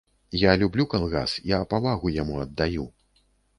Я люблю калгас, я павагу яму аддаю.